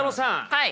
はい。